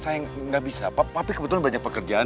sayang enggak bisa papi kebetulan banyak pekerjaan